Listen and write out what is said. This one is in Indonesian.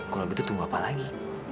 kalau gitu tunggu apa lagi